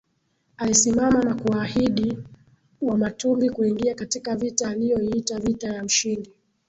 alisimama na kuwaahidi Wamatumbi kuingia katika vita aliyoiita vita ya ushindi